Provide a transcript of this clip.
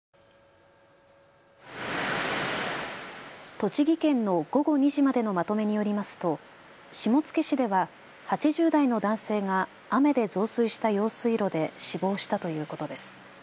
栃木県の午後２時までのまとめによりますと下野市では８０代の男性が雨で増水した用水路で死亡したということです。